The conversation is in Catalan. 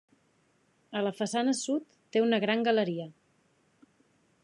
A la façana sud té una gran galeria.